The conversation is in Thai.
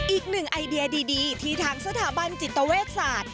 อีกหนึ่งไอเดียดีที่ทางสถาบันจิตเวชศาสตร์